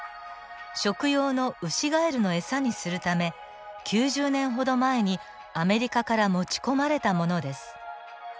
食用のウシガエルの餌にするため９０年ほど前にアメリカから持ち込まれたものです。